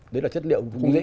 đấy là chất liệu cũng có